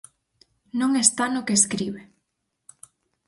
Non está no que escribe.